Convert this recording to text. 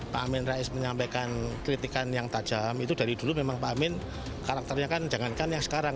pak amin rais menyampaikan kritikan yang tajam itu dari dulu memang pak amin karakternya kan jangankan yang sekarang